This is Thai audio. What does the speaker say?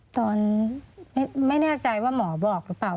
ตอนไม่แน่ใจว่าหมอบอกหรือเปล่า